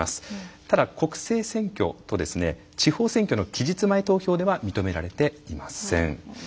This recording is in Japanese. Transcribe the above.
ただ国政選挙と地方選挙の期日前投票では認められていません。